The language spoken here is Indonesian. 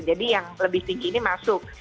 jadi yang lebih tinggi ini masuk